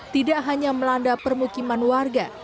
tidak hanya melanda permukiman warga